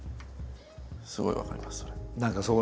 すごい分かりますそれ。